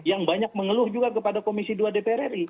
yang banyak mengeluh juga kepada komisi dua dpr ri